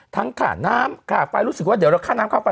ทั้งข้าน้ำข้าวไฟรู้สึกว่าเดี๋ยวเราข้าน้ำข้าวไฟ